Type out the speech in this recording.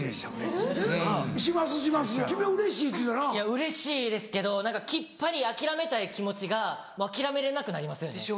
うれしいですけどきっぱり諦めたい気持ちが諦めれなくなりますよね。